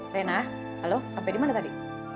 rena halo sampai dimana tadi